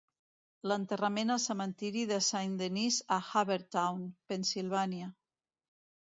L'enterrament al cementiri de Saint Denis en Havertown, Pennsylvania.